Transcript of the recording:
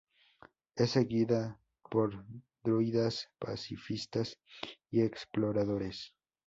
Es seguida por druidas, pacifistas, y exploradores.